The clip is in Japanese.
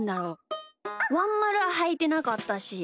ワンまるははいてなかったし。